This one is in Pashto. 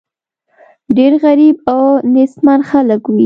ډېر غریب او نېستمن خلک وي.